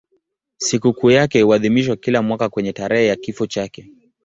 Sikukuu yake huadhimishwa kila mwaka kwenye tarehe ya kifo chake.